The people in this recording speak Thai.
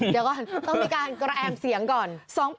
เดี๋ยวก่อนต้องมีการกระแอมเสียงก่อน